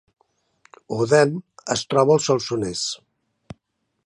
Odèn es troba al Solsonès